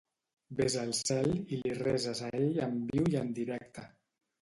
Ves al cel i li reses a ell en viu i en directe